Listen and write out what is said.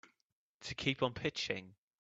To keep on pitching.